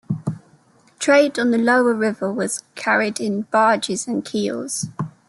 Trade on the lower river was carried in barges and keels.